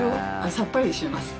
さっぱりします。